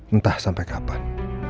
entah sampai kapan